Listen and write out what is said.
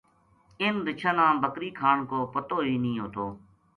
اِنھ رچھاں نا بکری کھان کو پتو ہی نیہہ ہوتو